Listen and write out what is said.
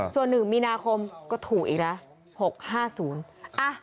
ส่วนหนึ่งมีนาคมก็ถูกอีกละ๖๕๐